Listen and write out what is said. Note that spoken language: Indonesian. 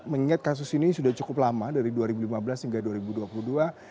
mengingat kasus ini sudah cukup lama dari dua ribu lima belas hingga dua ribu dua puluh dua